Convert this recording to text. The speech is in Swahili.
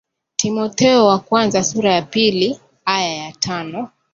timotheo wa kwanza sura ya pili aya ya tano